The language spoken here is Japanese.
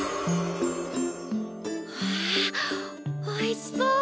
うわおいしそう！